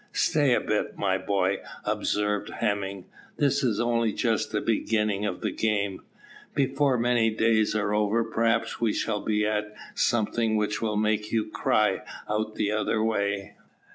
"Stay a bit, my boy," observed Hemming; "this is only just the beginning of the game. Before many days are over perhaps we shall be at something which will make you cry out the other way."